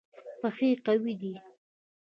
پښې قوي دي.